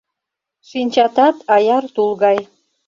Шинчатат аяр тул гай.